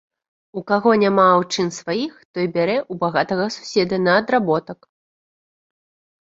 У каго няма аўчын сваіх, той бярэ ў багатага суседа на адработак.